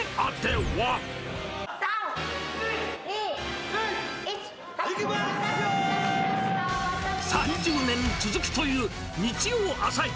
３、２、３０年続くという、日曜朝市。